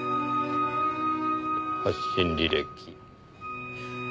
発信履歴。